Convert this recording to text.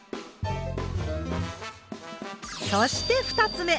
そして２つ目！